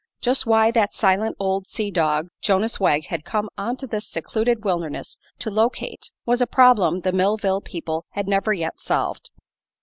Just why that silent old sea dog, Jonas Wegg, had come into this secluded wilderness to locate was a problem the Millville people had never yet solved.